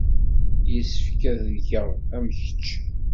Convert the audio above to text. Yessefk ad geɣ am kečč.